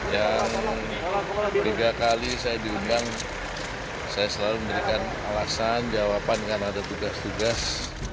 yang tiga kali saya diundang saya selalu memberikan alasan jawaban karena ada tugas tugas